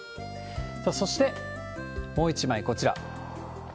さあ、そして、もう一枚、こちら。